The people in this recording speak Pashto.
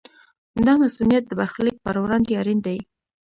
دا مصونیت د برخلیک پر وړاندې اړین دی.